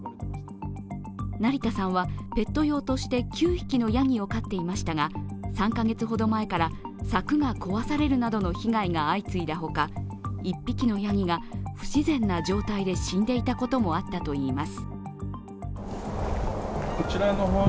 成田さんは、ペット用として９匹のやぎを飼っていましたが３カ月ほど前から柵が壊されるなどの被害が相次いだほか１匹のやぎが不自然な状態で死んでいたこともあったといいます。